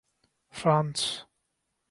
France